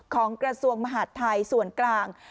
กระทรวงมหาดไทยส่วนกลาง